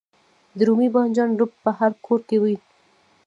د رومي بانجان رب په هر کور کې وي.